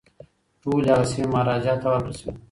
ټولي هغه سیمي مهاراجا ته ورکړل شوې.